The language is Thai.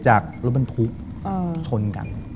จากรถบางทุกข์ชนกัน